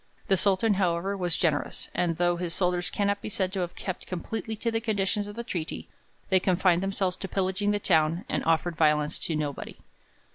The Sultan, however, was generous, and though his soldiers cannot be said to have kept completely to the conditions of the treaty, they confined themselves to pillaging the town, and offered violence to nobody.